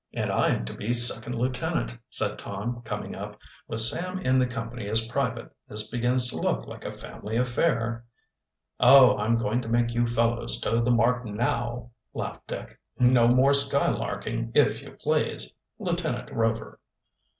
"And I am to be second lieutenant," said Tom, coming up. "With Sam in the company as private this begins to look like a family affair." "Oh, I'm going to make you fellows toe the mark now," laughed Dick. "No more skylarking, if you please, Lieutenant Rover."